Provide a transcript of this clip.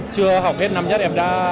chưa học hết năm nhất em đã